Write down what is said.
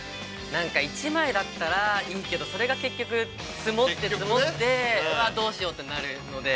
◆なんか、１枚だったらいいけど、それが結局、積もって積もってうわ、どうしようってなるので。